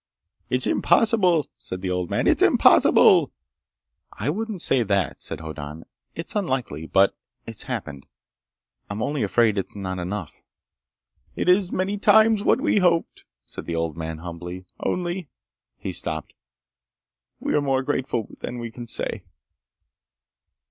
"It's impossible!" said the old man. "It's impossible!" "I wouldn't say that," said Hoddan. "It's unlikely, but it's happened. I'm only afraid it's not enough." "It is ... many times what we hoped," said the old man humbly. "Only—" He stopped. "We are more grateful than we can say."